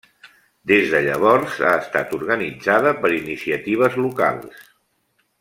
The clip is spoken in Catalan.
Des de llavors, ha estat organitzada per iniciatives locals.